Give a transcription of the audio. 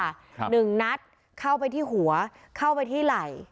ครับหนึ่งนัดเข้าไปที่หัวเข้าไปที่ไหล่